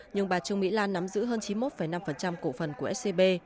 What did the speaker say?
nhưng bà trương mỹ lan nắm giữ hơn chín mươi một năm cổ phần của scb